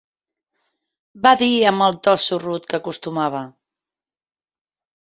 Va dir amb el to sorrut que acostumava: